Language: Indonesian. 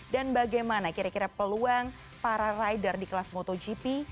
dan bagaimana kira kira peluang para rider di kelas motogp